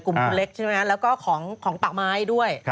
เล็กใช่ไหมแล้วก็ของป่าไม้ด้วย